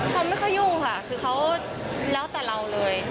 เขาไม่ค่อยยุ่งค่ะคือเขาแล้วแต่เราเลย